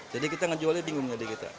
kita ngejualnya bingung jadi kita